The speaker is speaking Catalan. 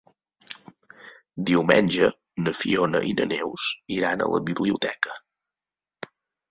Diumenge na Fiona i na Neus iran a la biblioteca.